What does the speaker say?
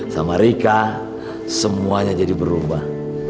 sama rika semuanya jadi berubah